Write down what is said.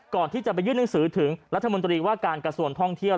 ก่อนที่จะไปยื่นหนังสือถึงรัฐมนตรีว่าการกระทรวงท่องเที่ยว